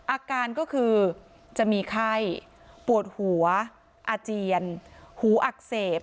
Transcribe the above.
อาการก็คือจะมีไข้ปวดหัวอาเจียนหูอักเสบ